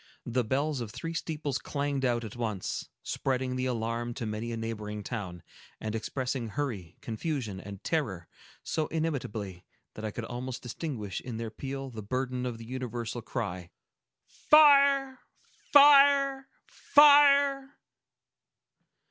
The bells of three steeples clanged out at once, spreading the alarm to many a neighboring town, and expressing hurry, confusion, and terror, so inimitably that I could almost distinguish in their peal the burden of the universal cry,—"Fire! Fire! Fire!"